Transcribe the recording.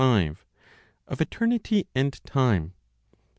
Of Eternity and Time.